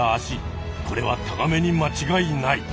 これはタガメにまちがいない。